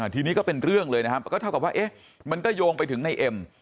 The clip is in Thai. ทีนี้ก็เป็นเรื่องเลยนะครับก็เท่ากับว่ามันก็โยงไปถึงในเอ็ม